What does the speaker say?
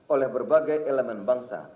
oleh berbagai elemen bangsa